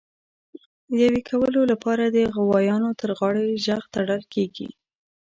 د یویې کولو لپاره د غوایانو تر غاړي ژغ تړل کېږي.